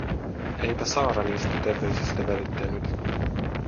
Eipä Saara niistä terveisistä välittänyt.